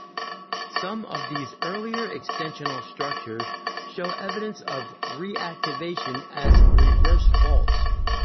Some of these earlier extensional structures show evidence of reactivation as reverse faults.